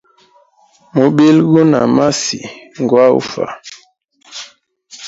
Mubili guna masi ngwa ufwa.